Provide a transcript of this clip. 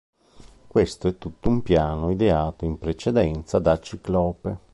Questo è tutto un piano ideato in precedenza da Ciclope.